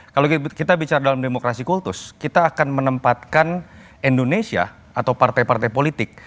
kalau kita bicara dalam demokrasi kultus kita akan menempatkan indonesia atau partai partai politik